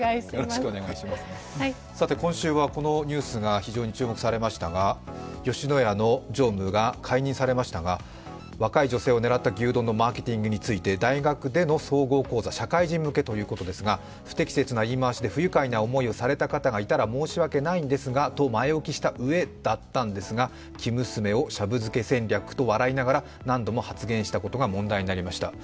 今週は、このニュースが非常に注目されましたが、吉野家の常務が解任されましたが、若い女性を狙った大学でのマーケティングについて、大学での総合講座、社会人向けということですが不適切な言い回しで不愉快な思いをされた方がいたら申し訳ないんですがと前置きしたうえだったんですが、生娘をシャブ漬け戦略と笑いながら何度も発言したことが問題になりました。